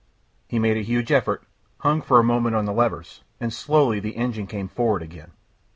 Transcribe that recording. He made a huge effort, hung for a moment on the levers, and slowly the engine came forward again.